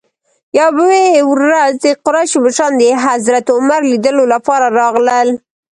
یوې ورځ د قریشو مشران د حضرت عمر لیدلو لپاره راغلل.